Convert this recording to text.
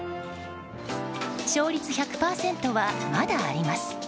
勝率１００％はまだあります。